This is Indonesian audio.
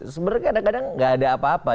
sebenarnya kadang kadang gak ada apa apa